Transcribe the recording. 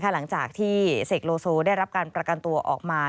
หลังจากที่เสกโลโซได้รับการประกันตัวออกมา